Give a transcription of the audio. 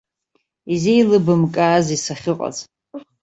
Излеилыбкаазеи сахьыҟаз?